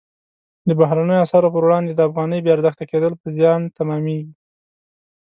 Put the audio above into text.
د بهرنیو اسعارو پر وړاندې د افغانۍ بې ارزښته کېدل په زیان تمامیږي.